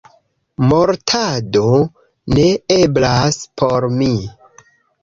Mortado ne eblas por mi.